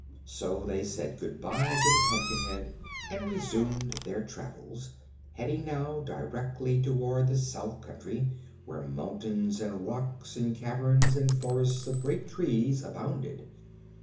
So they said good bye to the Pumpkinhead and resumed their travels, heading now directly toward the South Country, where mountains and rocks and caverns and forests of great trees abounded.